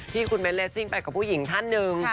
ที่คุณเบ้นเลสซิ่งไปกับผู้หญิงท่านหนึ่ง